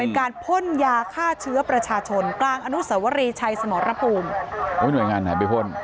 การพ่นยาฆ่าเชื้อประชาชนกลางอนุสวรีชัยสมรภูมิโอ้ยหน่วยงานไหนไปพ่น